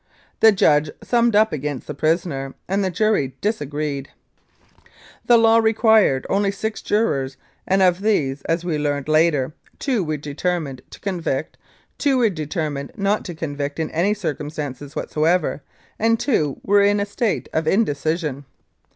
The judge summed up against the prisoner, and the jury disagreed. The law required only six jurors, and of these, as we learned later, two were determined to convict, two were determined not to convict in any circumstances whatsoever, and two were in a state of indecision.